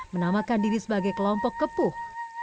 menamakan diri sebagai kelompok kepuh